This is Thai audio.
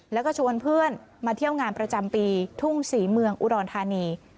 แล้วก็ชวนเพื่อนมาเที่ยวงานประจำปีทุ่งศรีเมืองอุดรธานี